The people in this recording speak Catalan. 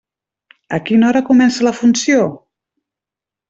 A quina hora comença la funció?